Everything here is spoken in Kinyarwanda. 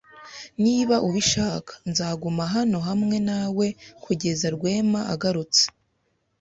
Niba ubishaka, nzaguma hano hamwe nawe kugeza Rwema agarutse.